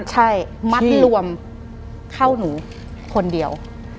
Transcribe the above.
ใช่มัดรวมเข้าหนูคนเดียว